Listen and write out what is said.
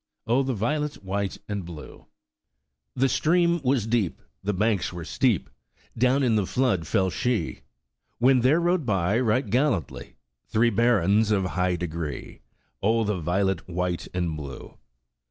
Oh, the violet, white and blue ! The stream was deep, The banks were steep, Down in the flood fell she; When there rode by. Right gallantly, Three barons of high degree, Oh, the violet, white and blue!